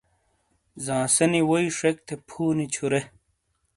زانسے نی ووئی شیک تھے فُونی چھُرے۔